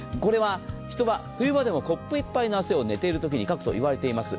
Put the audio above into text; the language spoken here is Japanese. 人は冬場でもコップ１杯の汗を寝ているときにかくといいます。